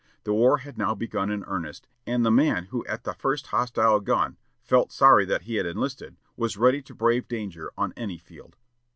The war had now begun in earnest, and the man who at the first hostile gun "felt sorry that he had enlisted" was ready to brave danger on any field.